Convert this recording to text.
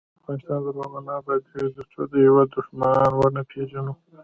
افغانستان تر هغو نه ابادیږي، ترڅو د هیواد دښمنان ونه پیژنو.